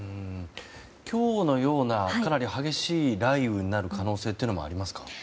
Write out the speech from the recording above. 今日のようなかなり激しい雷雨になる可能性もありますか？